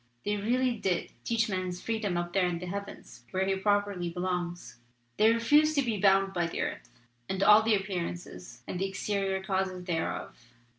They really did teach man's freedom up there in the heavens where he properly belongs. They refused to be bound by the earth, and all the appearances and the exterior causes thereof.